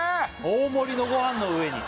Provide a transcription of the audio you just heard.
「大盛りのごはんの上に」